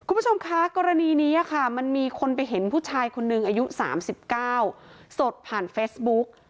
คุณผู้ชมคะกรณีนี้ค่ะมันมีคนไปเห็นผู้ชายคนนึงอายุ๓๙สดผ่านเฟซบุ๊ก